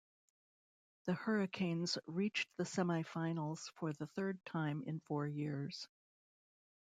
The Hurricanes reached the semi-finals for the third time in four years.